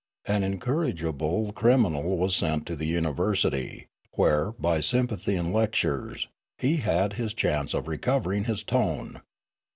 An incorrigible criminal was sent to the university, where, by sympathy and lectures, he had his chance of recovering his tone.